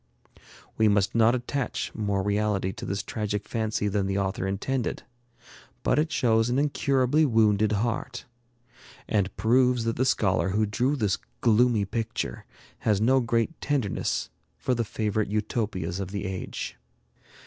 '" We must not attach more reality to this tragic fancy than the author intended, but it shows an incurably wounded heart; and proves that the scholar who drew this gloomy picture has no great tenderness for the favorite Utopias of the age.